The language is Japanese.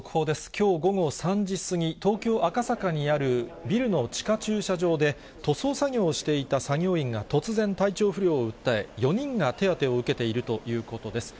きょう午後３時過ぎ、東京・赤坂にあるビルの地下駐車場で、塗装作業をしていた作業員が突然、体調不良を訴え、４人が手当てを受けているということです。